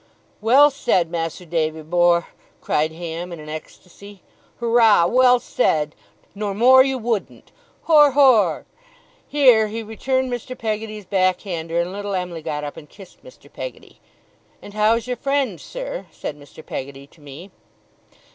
'Well said, Mas'r Davy bor'!' cried Ham, in an ecstasy. 'Hoorah! Well said! Nor more you wouldn't! Hor! Hor!' Here he returned Mr. Peggotty's back hander, and little Em'ly got up and kissed Mr. Peggotty. 'And how's your friend, sir?' said Mr. Peggotty to me.